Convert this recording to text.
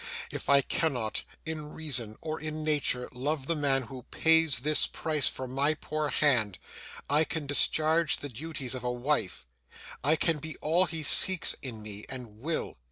If I cannot, in reason or in nature, love the man who pays this price for my poor hand, I can discharge the duties of a wife: I can be all he seeks in me, and will.